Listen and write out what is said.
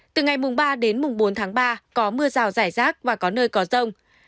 từ ngày ba đến mùng bốn tháng ba có mưa rào rải rác và có nơi có rông